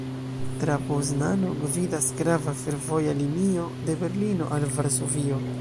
Tra Poznano gvidas grava fervoja linio de Berlino al Varsovio.